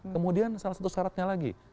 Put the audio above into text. kemudian salah satu syaratnya lagi